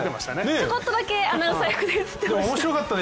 ちょこっとだけアナウンサー役で。